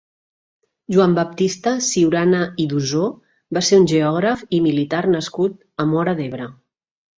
Joan Baptista Siurana i d'Ossó va ser un geògraf i militar nascut a Móra d'Ebre.